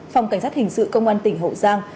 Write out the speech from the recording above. phòng cảnh sát hình sự công an tỉnh hậu giang